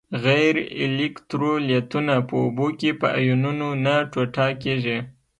غیر الکترولیتونه په اوبو کې په آیونونو نه ټوټه کیږي.